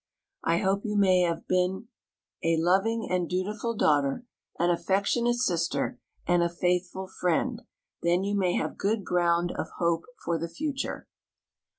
I hope you may have been a loving and dutiful daughter, an affectionate sister, and a faithful friend; then you may have good ground of hope for the future.